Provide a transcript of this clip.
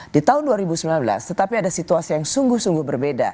di tahun dua ribu sembilan belas tetapi ada situasi yang sungguh sungguh berbeda